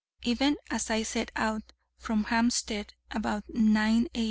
Even as I set out from Hampstead, about 9 A.